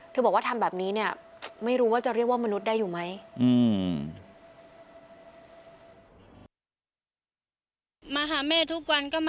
บอกว่าทำแบบนี้เนี่ยไม่รู้ว่าจะเรียกว่ามนุษย์ได้อยู่ไหม